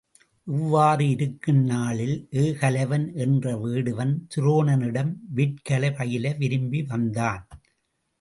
இவ்வாறு இருக்கும் நாளில் ஏகலைவன் என்ற வேடுவன் துரோணனிடம் விற்கலை பயில விரும்பி வந்தான்.